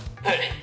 はい。